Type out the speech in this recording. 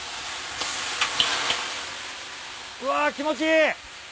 うわ気持ちいい。